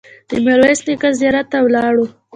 د میرویس نیکه زیارت ته ولاړو.